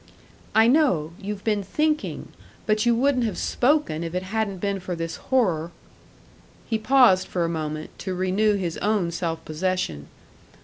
"I know. You've been thinking, but you wouldn't have spoken if it hadn't been for this horror." He paused for a moment, to renew his own self possession.